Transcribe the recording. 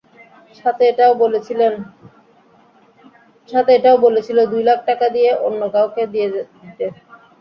সাথে এটাও বলেছিল দুই লাখ টাকা দিয়ে অন্য কাউকে দিয়ে দিতে।